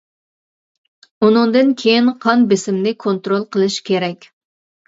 ئۇنىڭدىن كېيىن قان بېسىمنى كونترول قىلىش كېرەك.